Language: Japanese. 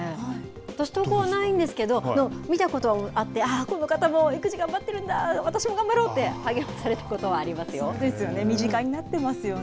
私、投稿はないんですけど、見たことあって、ああ、この方も育児頑張ってるんだ、私も頑張ろうっそうですよね、身近になってますよね。